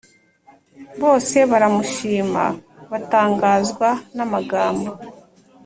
Bose baramushima batangazwa n amagambo